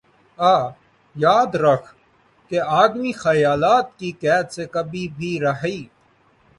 آ۔ یاد رکھ کہ آدمی خیالات کی قید سے کبھی بھی رہائ